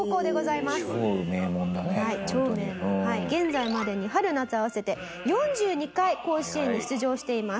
現在までに春夏合わせて４２回甲子園に出場しています。